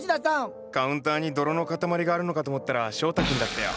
カウンターに泥の塊があるのかと思ったら翔太君だったよ。